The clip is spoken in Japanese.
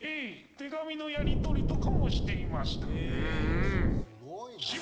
手紙のやり取りとかもしていました。